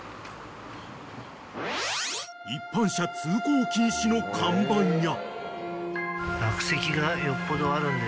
［一般車通行禁止の看板や］